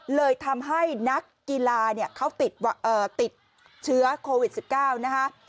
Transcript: เลยทำให้นักกีฬาเนี่ยเขาติดเอ่อติดเชื้อโควิดสิบเก้านะฮะ